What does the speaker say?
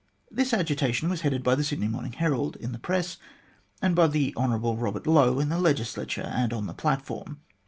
This agitation was headed by the Sydney Morning Herald in the press, and by the Hon. Kobert Lowe in the legislature and on the platform.